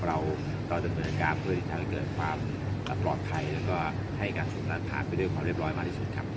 เราก็ดำเนินการเพื่อที่จะให้เกิดความปลอดภัยแล้วก็ให้การสูบนั้นผ่านไปด้วยความเรียบร้อยมากที่สุดครับ